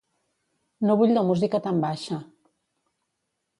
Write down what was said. No vull la música tan baixa.